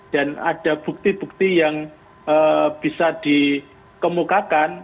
dan ada bukti bukti yang bisa dikemukakan